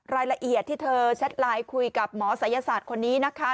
รายละเอียดที่เธอแชทไลน์คุยกับหมอศัยศาสตร์คนนี้นะคะ